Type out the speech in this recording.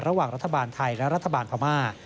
ระหว่างรัฐบาลไทยและรัฐบาลพม่า